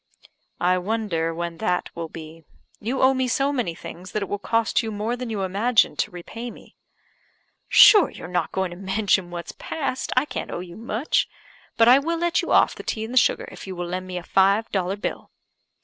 "I wonder when that will be. You owe me so many things that it will cost you more than you imagine to repay me." "Sure you're not going to mention what's past, I can't owe you much. But I will let you off the tea and the sugar, if you will lend me a five dollar bill."